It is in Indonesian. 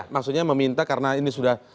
maksudnya meminta karena ini sudah